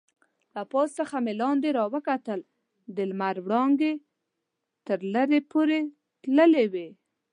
له پاس څخه مې لاندې راوکتل، د لمر وړانګې تر لرې پورې تللې وې.